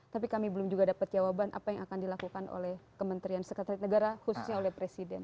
tapi kami belum juga dapat jawaban apa yang akan dilakukan oleh kementerian sekretariat negara khususnya oleh presiden